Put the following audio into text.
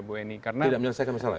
tidak menyelesaikan masalah ya